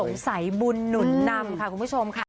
สายบุญหนุนนำค่ะคุณผู้ชมค่ะ